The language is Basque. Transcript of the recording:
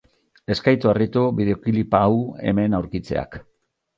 Ez gaitu harritu bideoklip hau hemen aurkitzeak.